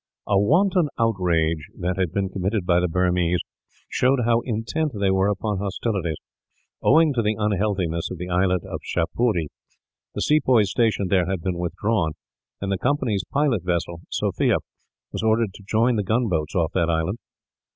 A wanton outrage that had been committed by the Burmese showed how intent they were upon hostilities. Owing to the unhealthiness of the islet of Shapuree, the sepoys stationed there had been withdrawn; and the Company's pilot vessel, Sophia, was ordered to join the gunboats off that island.